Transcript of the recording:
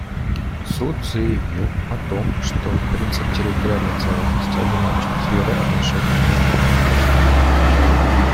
Суд заявил о том, что принцип территориальной целостности ограничен сферой отношений между государствами.